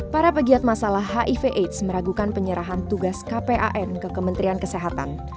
para pegiat masalah hiv aids meragukan penyerahan tugas kpan ke kementerian kesehatan